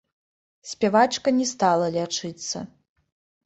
Спявачка не стала лячыцца.